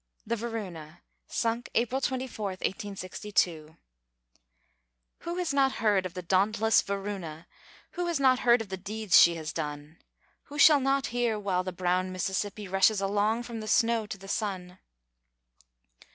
THE VARUNA [Sunk April 24, 1862] Who has not heard of the dauntless Varuna? Who has not heard of the deeds she has done? Who shall not hear, while the brown Mississippi Rushes along from the snow to the sun?